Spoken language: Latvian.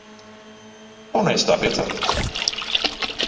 Un es tā priecājos.